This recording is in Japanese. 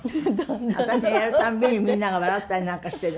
私がやるたんびにみんなが笑ったりなんかしてね。